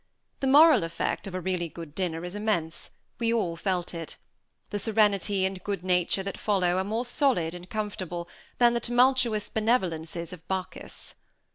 The moral effect of a really good dinner is immense we all felt it. The serenity and good nature that follow are more solid and comfortable than the tumultuous benevolences of Bacchus.